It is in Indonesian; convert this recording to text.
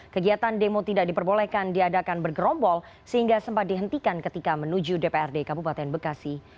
kegiatan demo tidak diperbolehkan diadakan bergerombol sehingga sempat dihentikan ketika menuju dprd kabupaten bekasi